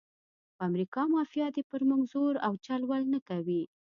خو امریکایي مافیا دې پر موږ زور او چل ول نه کوي.